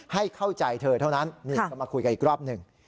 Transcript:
ให้เข้าใจเธอเท่านั้นนี่ก็มาคุยกันอีกรอบหนึ่ง